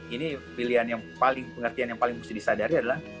ini pilihan yang paling pengertian yang paling mesti disadari adalah